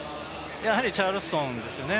やはりチャールストンですよね。